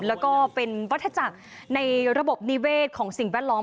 แล้วก็เป็นวัฒจักรในระบบนิเวศของสิ่งแวดล้อม